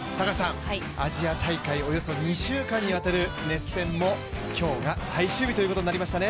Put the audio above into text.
アジア大会、およそ２週間にわたる熱戦も今日が最終日ということになりましたね。